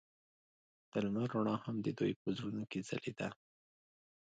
د لمر رڼا هم د دوی په زړونو کې ځلېده.